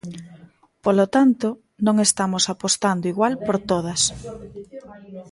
Polo tanto, non estamos apostando igual por todas.